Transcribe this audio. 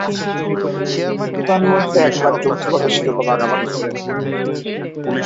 তন্মধ্যে একবার যৌথভাবে শিরোপা ভাগাভাগি করে নেয়।